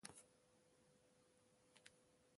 A nnom Kub a adzo dzam minziziŋ mie,